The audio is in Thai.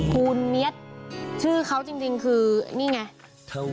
คุณเมียดชื่อเขาจริงคือนี่ไง